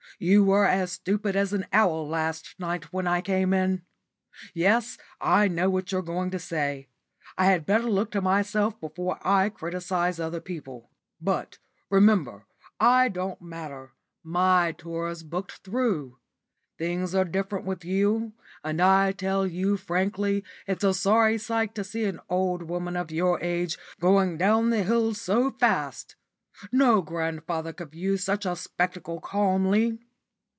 You were as stupid as an owl last night when I came in. Yes, I know what you're going to say: I had better look to myself before I criticise other people. But, remember, I don't matter; my tour's booked through. Things are different with you, and I tell you frankly it's a sorry sight to see an old woman of your age going down the hill so fast. No grandfather could view such a spectacle calmly."